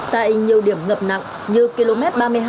tại nhiều điểm ngập nặng như km ba mươi hai